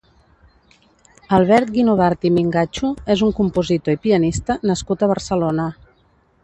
Albert Guinovart i Mingacho és un compositor i pianista nascut a Barcelona.